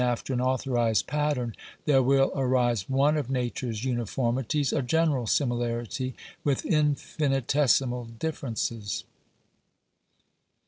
after an authorized pattern, there will arise one of nature's uniformities — a general similarity, with infinitesimal differences.